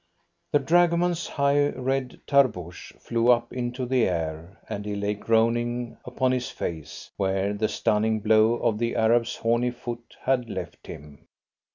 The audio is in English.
The dragoman's high red tarboosh flew up into the air, and he lay groaning upon his face where the stunning blow of the Arab's horny foot had left him.